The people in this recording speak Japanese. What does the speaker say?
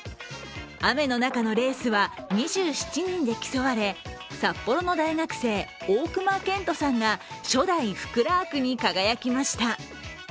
雨の中のレースは２７人で競われ、札幌の大学生、大熊健斗さんが初代・福ラークに輝きました。